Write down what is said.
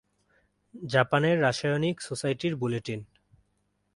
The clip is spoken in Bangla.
জাপানের রাসায়নিক সোসাইটির বুলেটিন।